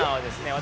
私